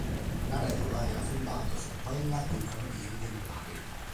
La regola era fondata su quella dei Cavalieri templari.